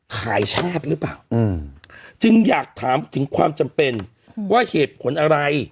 ชาติหรือเปล่าจึงอยากถามถึงความจำเป็นว่าเหตุผลอะไร